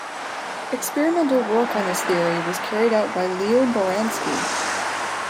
Experimental work on this theory was carried out by Leo Baranski.